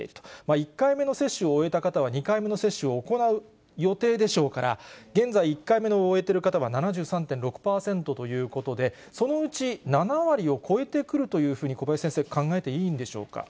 １回目の接種を終えた方は２回目の接種を行う予定でしょうから、現在、１回目を終えている方は７３．６％ということで、そのうち７割を超えてくるというふうに小林先生、考えていいんでしょうか。